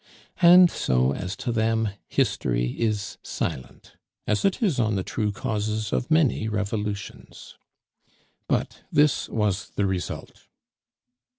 And so, as to them, history is silent, as it is on the true causes of many revolutions. But this was the result.